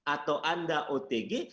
atau anda otg